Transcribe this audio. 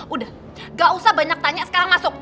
udah gak usah banyak tanya sekarang masuk